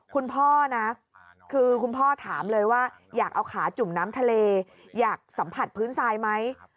คุณพ่อนะคือคุณพ่อถามเลยว่าอยากเอาขาจุ่มน้ำทะเลอยากสัมผัสพื้นทรายไหม